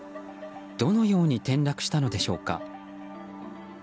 どのように転落したのでしょうか。